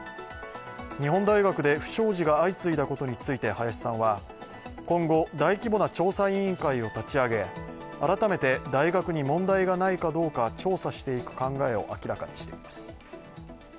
日本大学で不祥事が相次いだことについて林さんは、今後、大規模な調査委員会を立ち上げ改めて大学に問題がないかどうか調査していく考えを明らかにしています。